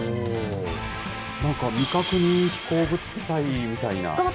なんか未確認飛行物体みたいな。